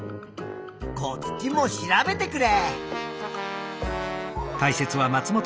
こっちも調べてくれ。